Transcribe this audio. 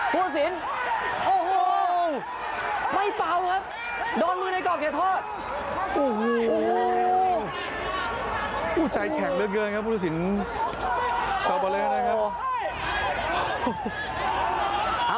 ผู้สินโอ้โหไม่เป่าครับโดนมือในกรอบเขียนทอดโอ้โห